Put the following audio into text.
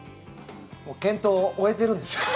もう検討を終えているんですよ。